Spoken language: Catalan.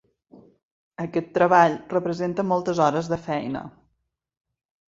Aquest treball representa moltes hores de feina.